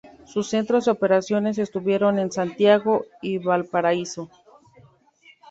Sus centros de operaciones estuvieron en Santiago y Valparaíso.